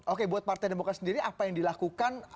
oke buat partai demokrat sendiri apa yang dilakukan